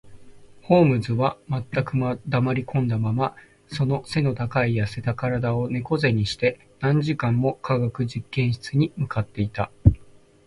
ホームズは全く黙りこんだまま、その脊の高い痩せた身体を猫脊にして、何時間も化学実験室に向っていた